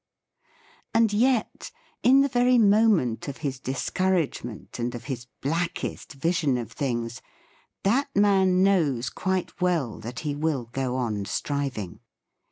H: And yet, in the very moment of his discouragement and of his blackest vision of things, that man knows quite well that he will go on striving.